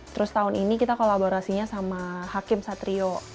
terus tahun ini kita kolaborasinya sama hakim satrio